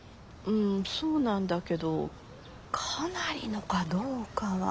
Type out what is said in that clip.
んそうなんだけどかなりのかどうかは。